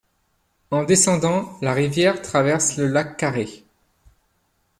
En descendant, la rivière traverse le lac Carré.